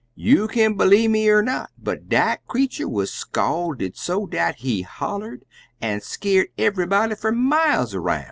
You kin b'lieve me er not, but dat creetur wuz scall'd so dat he holler'd an' skeer'd eve'ybody fur miles aroun'.